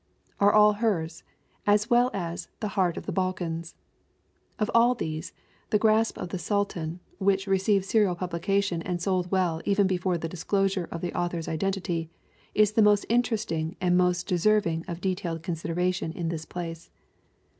are all hers, as well as The Heart of the Balkans*. Of all these The Grasp of the Sultan, which received serial publication and sold well even before the disclosure of the author's identity, is the most in teresting and most deserving of detailed considera tion in this place.